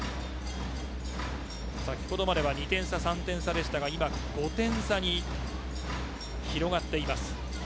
先ほどまでは２点差、３点差でしたが今、５点差に広がっています。